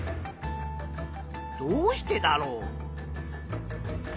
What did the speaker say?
どうしてだろう？